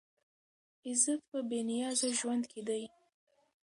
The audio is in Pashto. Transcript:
عزت په بې نیازه ژوند کې دی.